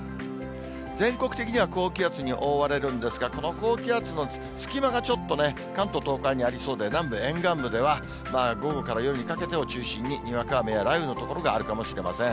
全国的には高気圧に覆われるんですが、この高気圧の隙間がちょっとね、関東、東海にありそうで、南部沿岸部では、午後から夜にかけてを中心に、にわか雨や雷雨の所があるかもしれません。